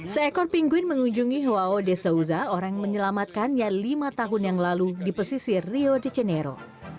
seekor pinguin mengunjungi huao de souza orang yang menyelamatkan yang lima tahun yang lalu di pesisir rio de janeiro